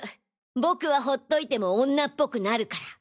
僕は放っといても女っぽくなるから！